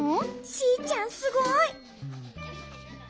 シーちゃんすごい。